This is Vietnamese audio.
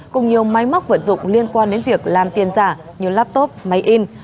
cùng nhiều máy móc vận dụng liên quan đến việc làm tiền giả như laptop máy in